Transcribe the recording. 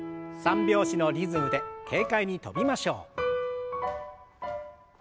３拍子のリズムで軽快に跳びましょう。